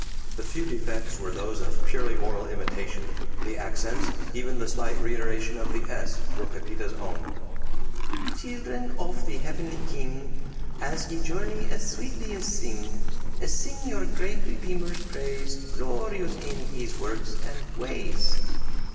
The few defects were those of purely oral imitation, the accents, even the slight reiteration of the "s," were Pepita's own: Cheeldren oof the Heavenly King, As ye journey essweetly ssing; Essing your great Redeemer's praise, Glorioos in Hees works and ways.